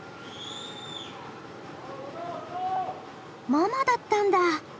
ママだったんだ。